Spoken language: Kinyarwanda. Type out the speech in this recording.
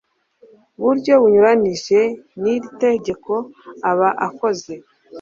buryo bunyuranyije n iri tegeko aba akoze